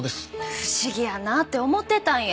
不思議やなって思ってたんや。